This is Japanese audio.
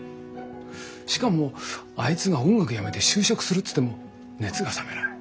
しかもあいつが音楽やめて就職するっつっても熱が冷めない。